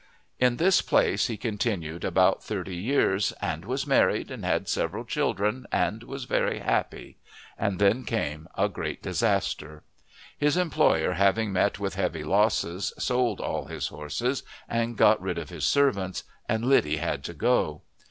In this place he continued about thirty years, and was married and had several children and was very happy, and then came a great disaster. His employer having met with heavy losses sold all his horses and got rid of his servants, and Liddy had to go.